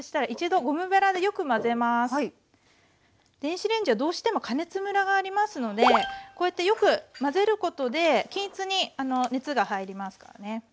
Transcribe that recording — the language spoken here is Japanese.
電子レンジはどうしても加熱ムラがありますのでこうやってよく混ぜることで均一に熱が入りますからね。